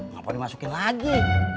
ngapain dimasukin lagi